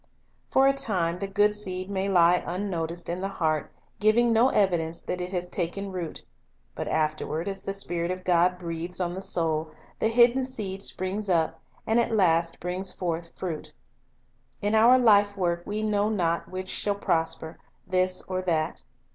For a time the good seed may lie unnoticed in the heart, giving no evidence that it has taken root; but afterward, as the Spirit of God breathes on the soul, the hidden seed springs up, and at last brings forth fruit. In our life work we know not which shall prosper, this or that.